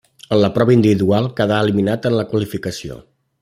En la prova individual quedà eliminat en la qualificació.